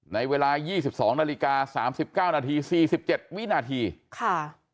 ในเวลายี่สิบสองนาฬิกาสามสิบเก้านาทีสี่สิบเจ็ดวินาทีค่ะ